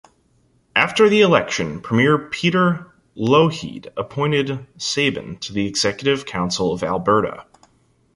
After the election Premier Peter Lougheed appointed Shaben to the Executive Council of Alberta.